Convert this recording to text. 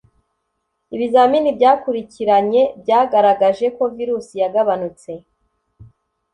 ibizamini byakurikiranye byagaragaje ko virusi yagabanutse